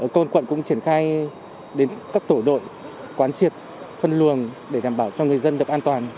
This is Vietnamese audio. công an quận cũng triển khai đến cấp tổ đội quán triệt phân luồng để đảm bảo cho người dân được an toàn